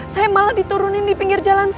saya malah diturunin di pinggir jalan